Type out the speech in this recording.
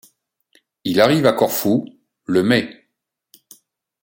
Il arrive à Corfou, le mai.